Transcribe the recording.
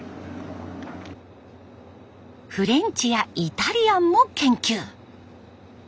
フレンチやイタリアンも研究。